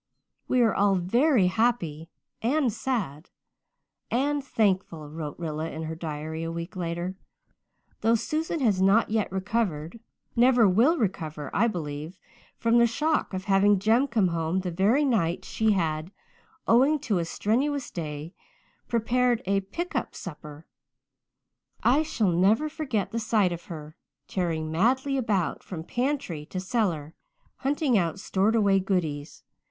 "We are all very happy and sad and thankful," wrote Rilla in her diary a week later, "though Susan has not yet recovered never will recover, I believe from the shock of having Jem come home the very night she had, owing to a strenuous day, prepared a 'pick up' supper. I shall never forget the sight of her, tearing madly about from pantry to cellar, hunting out stored away goodies.